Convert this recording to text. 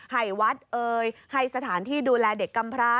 ให้วัดเอ่ยให้สถานที่ดูแลเด็กกำพระ